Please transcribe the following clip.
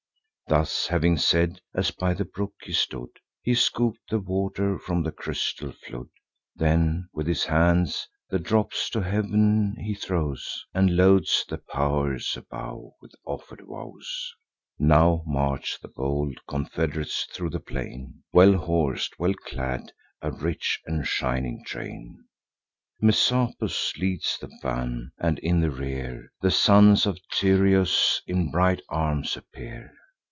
Thus having said, as by the brook he stood, He scoop'd the water from the crystal flood; Then with his hands the drops to heav'n he throws, And loads the pow'rs above with offer'd vows. Now march the bold confed'rates thro' the plain, Well hors'd, well clad; a rich and shining train. Messapus leads the van; and, in the rear, The sons of Tyrrheus in bright arms appear.